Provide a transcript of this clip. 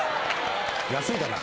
安いかな？